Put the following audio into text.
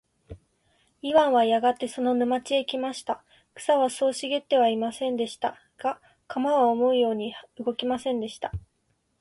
イワンはやがてその沼地へ来ました。草はそう茂ってはいませんでした。が、鎌は思うように動きませんでした。